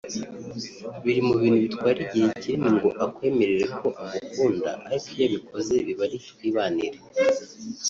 biri mu bintu bitwara igihe kinini ngo akwemerere ko agukunda ariko iyo abikoze biba ari twibanire